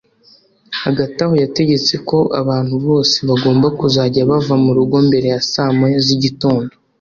Hagati aho yategetse ko abantu bose bagomba kuzajya bava mu rugo mbere ya saa moya z’igitondo